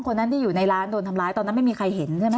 คนนั้นที่อยู่ในร้านโดนทำร้ายตอนนั้นไม่มีใครเห็นใช่ไหม